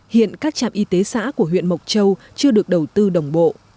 hiện các trạm y tế xã của huyện mộc châu chưa được đầu tư đồng bộ